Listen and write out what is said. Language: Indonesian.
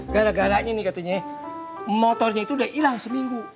gara gara ini katanya motornya itu udah hilang seminggu